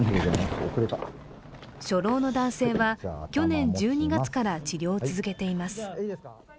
初老の男性は去年１２月から治療を続けています。